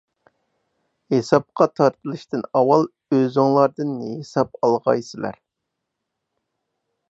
ھېسابقا تارتىلىشتىن ئاۋۋال ئۆزۈڭلاردىن ھېساب ئالغايسىلەر.